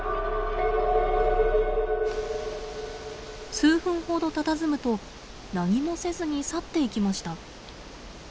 数分ほどたたずむと何もせずに去っていきました。